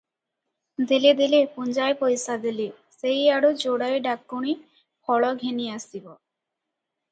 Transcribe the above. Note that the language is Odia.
ଦେଲେ ଦେଲେ, ପୁଞ୍ଜାଏ ପଇସା ଦେଲେ, ସେଇଆଡ଼ୁ ଯୋଡ଼ାଏ ଡାକୁଣୀ ଫଳ ଘେନି ଆସିବି ।"